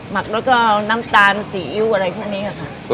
หักแล้วก็น้ำตาลซีอิ๊วอะไรพวกนี้ค่ะ